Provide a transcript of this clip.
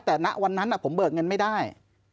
แต่ณวันนั้นผมเบิกเงินไม่ได้